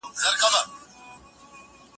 د تورو سپینو وریو له شرنګي سره به راشې